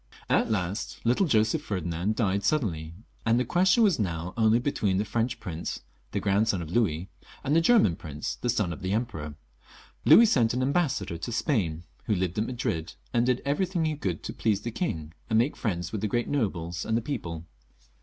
At last little Joseph Ferdinand died suddenly, and the question was now only between the French prince, the grandson of Louis, and tiie German prince, the son of the Emperor. Louis sent an ambassador to Spain, who lived at Madrid, and did everything he could to please the king and make friends with the great nobles and £he people.